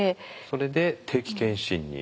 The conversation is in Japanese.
それで定期検診に。